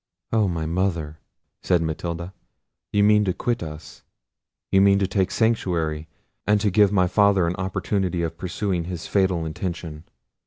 "Oh! my mother," said Matilda, "you mean to quit us: you mean to take sanctuary, and to give my father an opportunity of pursuing his fatal intention.